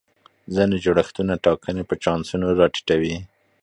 ځینې جوړښتونه ټاکنې په چانسونو را ټیټوي.